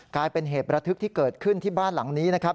กลายเป็นเหตุระทึกที่เกิดขึ้นที่บ้านหลังนี้นะครับ